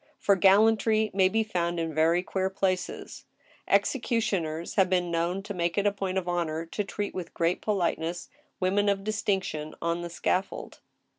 For gallantry may be found in very queer places. Execution ers have been known to make it a point of honor to treat with great politeness women of distinction on the scaffold.